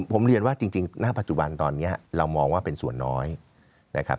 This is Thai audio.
ผมเรียนว่าจริงณปัจจุบันตอนนี้เรามองว่าเป็นส่วนน้อยนะครับ